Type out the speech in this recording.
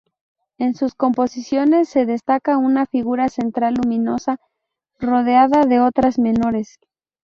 En sus composiciones se destaca una figura central luminosa, rodeada de otras menores.